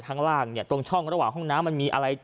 ข้างล่างเนี่ยตรงช่องระหว่างห้องน้ำมันมีอะไร